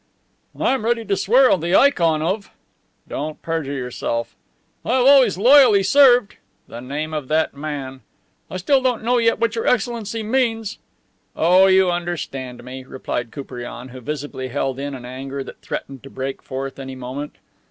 "I am ready to swear on the ikon of..." "Don't perjure yourself." "I have always loyally served..." "The name of that man." "I still don't know yet what Your Excellency means." "Oh, you understand me," replied Koupriane, who visibly held in an anger that threatened to break forth any moment.